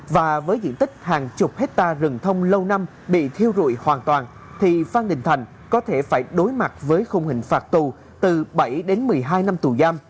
và với diện tích hàng chục hectare rừng thông lâu năm bị thiêu rụi hoàn toàn thì phan đình thành có thể phải đối mặt với không hình phạt tù từ bảy đến một mươi hai năm tù giam